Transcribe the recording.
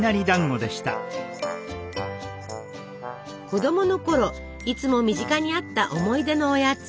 子供のころいつも身近にあった思い出のおやつ。